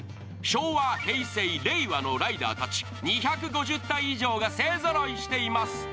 昭和、平成、令和のライダーたち２５０体以上が勢ぞろいしています。